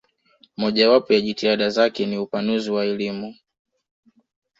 Mojawapo ya jitihada zake ni upanuzi wa elimu